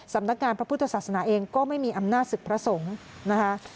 สำนักงานพระพุทธศาสนาเองก็ไม่มีอำนาจศึกพระสงฆ์นะคะ